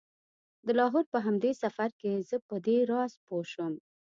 د لاهور په همدې سفر کې زه په دې راز پوی شوم.